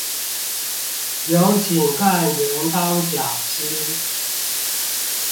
有請幹員當講師